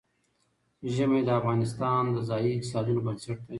ژمی د افغانستان د ځایي اقتصادونو بنسټ دی.